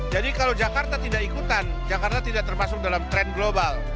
jadi kalau jakarta tidak ikutan jakarta tidak termasuk dalam tren global